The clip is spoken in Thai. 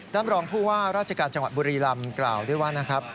รองผู้ว่าราชการจังหวัดบุรีลำกล่าวด้วยว่านะครับ